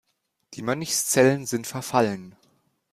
Die Mönchszellen sind verfallen.